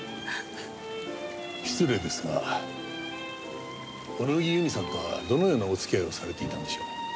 失礼ですが小野木由美さんとはどのようなお付き合いをされていたんでしょう？